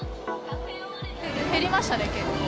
減りましたね、結構。